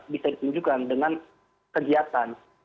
bisa ditunjukkan dengan kegiatan